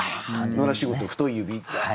野良仕事太い指が。